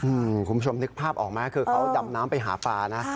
คุณผู้ชมนึกภาพออกไหมคือเขาดำน้ำไปหาปลานะ